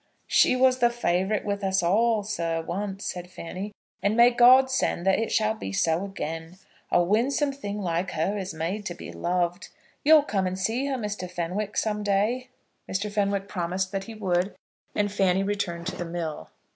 "She was the favourite with us all, sir, once," said Fanny, "and may God send that it shall be so again. A winsome thing like her is made to be loved. You'll come and see her, Mr. Fenwick, some day?" Mr. Fenwick promised that he would, and Fanny returned to the mill.